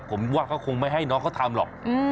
ผมว่าเขาคงไม่ให้น้องเขาทำหรอก